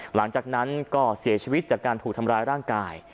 หลังจากนั้นก็เสียชีวิตจากการถูกทำร้ายร่างกาย